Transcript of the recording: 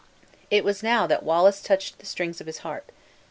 It was now that Wallace touched the strings of his harp.